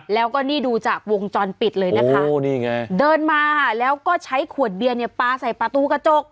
แล้วก็นี่ดูจากวงจรปิดเลยนะคะเดินมาแล้วก็ใช้ขวดเบียนเนี่ยปลาใส่ประตูกระจก